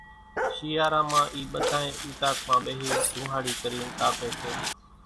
شيئارا مان اِي ٻڌانئين اُوطاق مان ٻيۿينَ ڌونۿاڙِي ڪرينَ تاپيَ سي۔